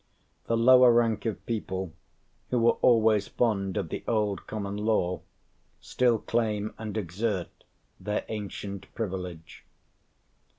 The lower rank of people, who were always fond of the old common law, still claim and exert their ancient privilege."